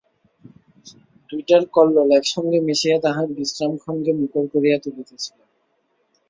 দুইটার কল্লোল একসঙ্গে মিশিয়া তাহার বিশ্রামক্ষণকে মুখর করিয়া তুলিতেছিল।